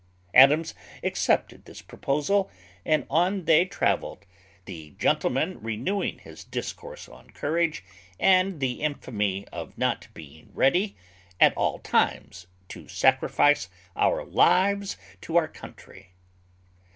Adams accepted this proposal, and on they travelled, the gentleman renewing his discourse on courage, and the infamy of not being ready, at all times, to sacrifice our lives to our country.